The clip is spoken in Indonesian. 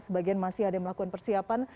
sebagian masih ada yang melakukan persiapan